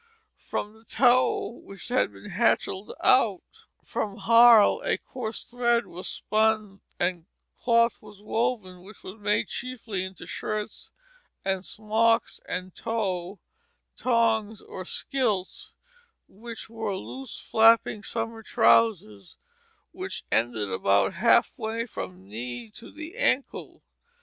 From the tow which had been hatchelled out from harl a coarse thread was spun and cloth was woven which was made chiefly into shirts and smocks and tow "tongs" or "skilts," which were loose flapping summer trousers which ended almost half way from the knee to the ankle.